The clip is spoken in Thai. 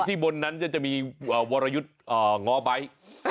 บนนั้นจะมีวรยุทธ์ง้อไบท์